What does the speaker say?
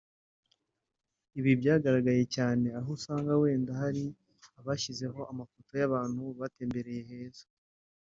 Ibi byagaragaye cyane aho usanga wenda hari abashyiraho amafoto y’ahantu batembereye heza